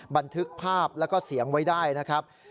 บันทึกภาพแล้วก็เสียงไว้ได้นะครับ